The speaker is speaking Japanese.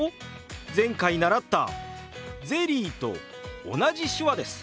前回習った「ゼリー」と同じ手話です。